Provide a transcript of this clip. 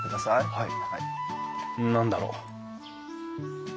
はい。